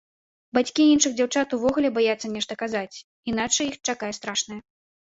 Бацькі іншых дзяўчат увогуле баяцца нешта казаць, іначай іх чакае страшнае.